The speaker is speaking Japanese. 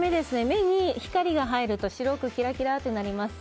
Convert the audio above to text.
目に光が入ると白くキラキラとなります。